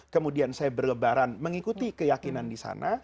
kemudian saya berlebaran mengikuti keyakinan di sana